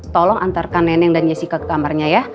tolong antarkan neneng dan jessica ke kamarnya ya